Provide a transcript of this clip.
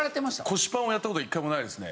腰パンはやった事一回もないですね。